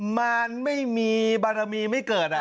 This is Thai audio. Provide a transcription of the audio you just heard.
มารไม่มีบารมีไม่เกิด